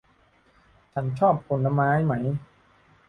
ฉันชอบผลไม้ไหม